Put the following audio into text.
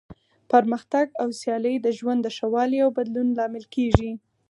پرمختګ او سیالي د ژوند د ښه والي او بدلون لامل کیږي.